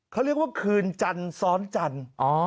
เขาเรียกว่าคืนจรรย์ซ้อนจรรย์